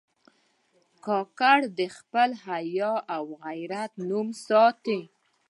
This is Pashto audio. کاکړ د خپل حیا او غیرت نوم ساتي.